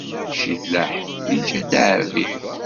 Cilaḥ iǧǧa-d Ɛibir.